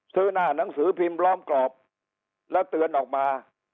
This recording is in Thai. หน้าหนังสือพิมพ์ล้อมกรอบแล้วเตือนออกมา